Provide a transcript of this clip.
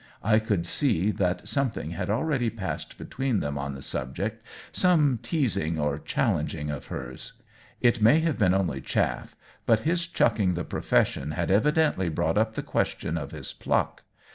I could see that something had already passed between them on the sub ject — some teasing or challenging of hers. It may have been only chaff, but his chuck ing the profession had evidently brought up the question of his pluck."